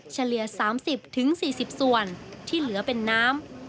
เฉลี่ยสามสิบถึงสี่สิบส่วนที่เหลือเป็นน้ำ